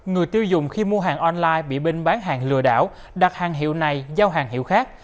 người tiêu dùng khi mua hàng online bị bên bán hàng lừa đảo đặt hàng hiệu này giao hàng hiệu khác